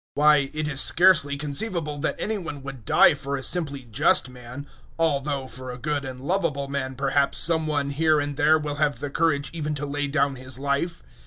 005:007 Why, it is scarcely conceivable that any one would die for a simply just man, although for a good and lovable man perhaps some one, here and there, will have the courage even to lay down his life.